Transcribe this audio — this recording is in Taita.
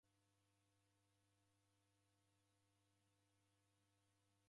Kwabonyaa kaziki agha matuku?